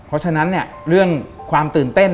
เพราะฉะนั้นเนี่ยเรื่องความตื่นเต้น